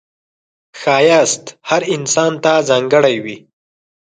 ښایست هر انسان ته ځانګړی وي